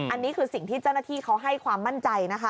อันนี้คือสิ่งที่เจ้าหน้าที่เขาให้ความมั่นใจนะคะ